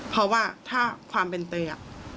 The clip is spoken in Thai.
เพราะว่าถ้าความเป็นเตยอะ